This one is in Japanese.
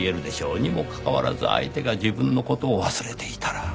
にもかかわらず相手が自分の事を忘れていたら？